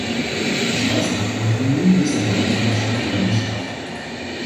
Ich weiß nicht-mann kann nie wissen, warum ein Film es schafft oder nicht schafft.